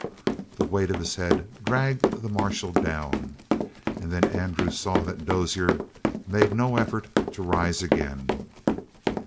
The weight of his head dragged the marshal down, and then Andrew saw that Dozier made no effort to rise again.